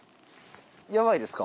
やばいですか？